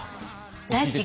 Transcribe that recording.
大好き。